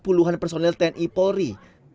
puluhan personil tni polri